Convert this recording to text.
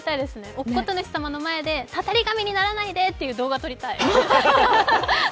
乙事主様の前で、たたり神にならないでという写真撮りたい！